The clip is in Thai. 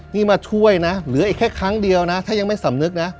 นี่มาช่วยนะเหลืออีกแค่ครั้งเดียวนะถ้ายังไม่สำนึกนะ